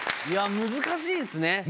いや難しいですね。